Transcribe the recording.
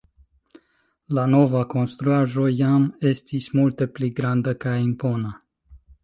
La nova konstruaĵo jam estis multe pli granda kaj impona.